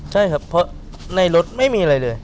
ใช่ครับเพราะในรถไม่มีอะไรเลย